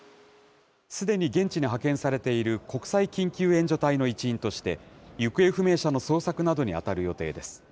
すでに現地に派遣されている国際緊急援助隊の一員として、行方不明者の捜索などに当たる予定です。